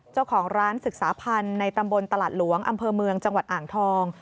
เจ้าของร้านศึกษาพันธ์ในตำบลตลาดหลวงอำเภอเมืองจังหวัดอ่างทอง